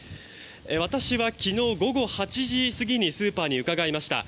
私は昨日午後８時過ぎにスーパーに伺いました。